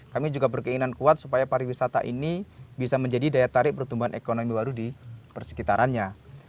kami juga berkeinginan kuat supaya pariwisata ini bisa menjadi daya tarik pertumbuhan ekonomi baru di persikitarannya